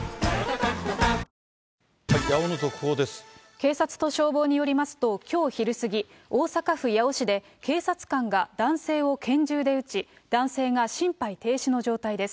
警察と消防によりますと、きょう昼過ぎ、大阪府八尾市で、警察官が男性を拳銃で撃ち、男性が心肺停止の状態です。